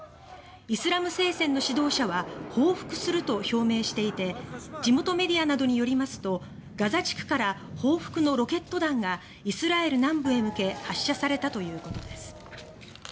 イスラム聖戦の指導者は報復すると表明していて地元メディアなどによりますとガザ地区から報復のロケット弾がイスラエル南部へ向け発射されたということです。